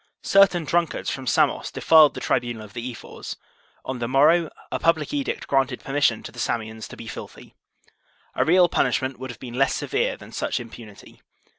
Certain drunkards from Samos defiled the tribunal of the ephors; on the morrow a public edict granted permission to the Samians to be filthy. A real punishment would have been less severe than such im punity.